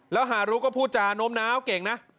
แล้วฮารุก็พูดจาโน้มน้าวเก่งนะ